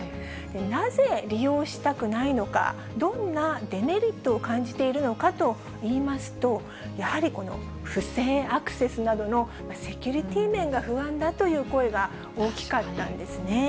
なぜ利用したくないのか、どんなデメリットを感じているのかといいますと、やはりこの不正アクセスなどのセキュリティー面が不安だという声が大きかったんですね。